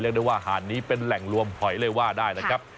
ได้ว่าหาดนี้เป็นแหล่งรวมหอยเลยว่าได้นะครับ